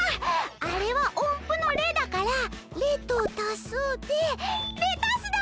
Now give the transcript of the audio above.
あれはおんぷの「レ」だから「レ」と「たす」でレタスだ！